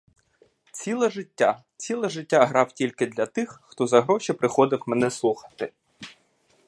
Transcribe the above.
Ціле життя, ціле життя грав тільки для тих, хто за гроші приходив мене слухати.